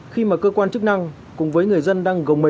khi mà cơ quan chức năng cùng với người dân đi bộ người dân đi bộ